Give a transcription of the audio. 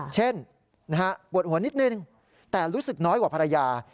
เช่นปวดหัวนิดนึงแต่รู้สึกน้อยกว่าภรรยา